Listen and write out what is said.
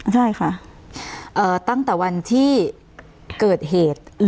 ใช่ค่ะตั้งแต่วันที่เกิดเหตุ